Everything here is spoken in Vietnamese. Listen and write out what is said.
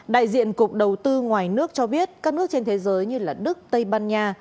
đại diện cục đầu tư ngoài nước cho biết các nước trên thế giới như đức tây ban nha